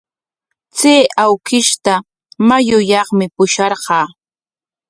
Chay awkishta mayuyaqmi pusharqaa.